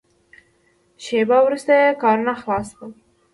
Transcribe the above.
شېبه وروسته یې کارونه خلاص شول.